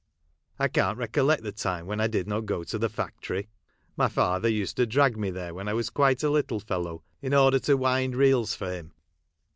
I can't recollect the time when I did not go to the factory. My father used to drag me there when I was quite a little fellow, in order to wind reels for him.